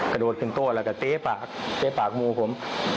กระโดดขึ้นโต๊ะแล้วก็เต๊ปากปากมูผม